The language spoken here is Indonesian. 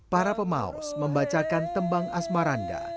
para pemaus membacakan tembang asmaranda